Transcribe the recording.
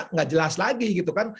nggak jelas lagi gitu kan